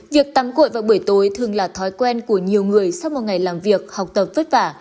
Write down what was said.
việc tắm cội vào buổi tối thường là thói quen của nhiều người sau một ngày làm việc học tập vất vả